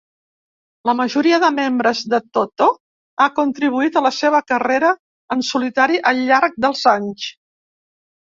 La majoria de membres de Toto ha contribuït a la seva carrera en solitari al llarg dels anys.